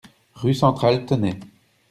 Rue Centrale, Tenay